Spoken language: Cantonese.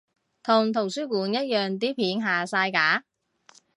同圖書館一樣啲片下晒架？